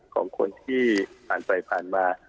ของคนที่ผ่านไปผ่านมา